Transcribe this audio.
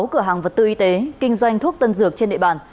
sáu cửa hàng vật tư y tế kinh doanh thuốc tân dược trên địa bàn